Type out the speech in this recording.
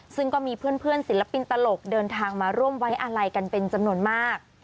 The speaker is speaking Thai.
ซึ่งก็มีเพื่อนศิลปินตลกเดินทางมาร่วมไว้อาลัยกันเป็นจำนวนมาก